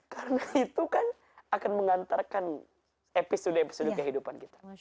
karena itu kan akan mengantarkan episode episode kehidupan kita